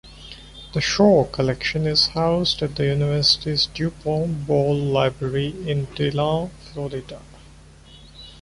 The Shaw collection is housed at the university's duPont-Ball library in DeLand, Florida.